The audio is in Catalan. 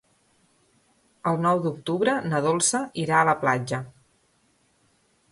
El nou d'octubre na Dolça irà a la platja.